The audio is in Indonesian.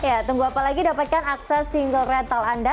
ya tunggu apa lagi dapatkan akses single rental anda